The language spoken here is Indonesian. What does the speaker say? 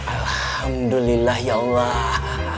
alhamdulillah ya allah